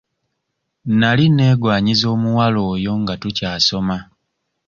Nali neegwanyiza omuwala oyo nga tukyasoma.